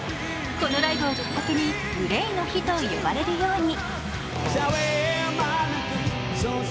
このライブをきっかけにＧＬＡＹの日と呼ばれるように。